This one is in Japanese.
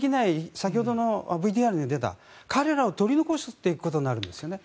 先ほどのＶＴＲに出た彼らを取り残すことになるんですね。